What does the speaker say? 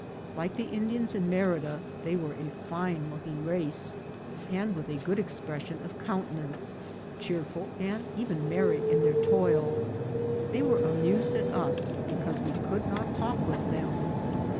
Like the Indians in Merida, they were a fine looking race, with a good expression of countenance, cheerful, and even merry in their toil. They were amused at us because we could not talk with them.